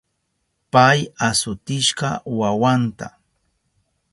Pay asutishka wawanta.